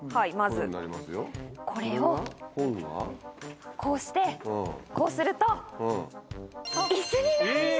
これをこうしてこうするとイスになるんです。